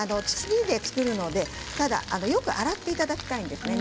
土で作るので、よく洗っていただきたいんです。